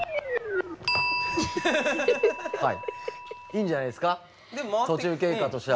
いいんじゃないですか途中経過としては。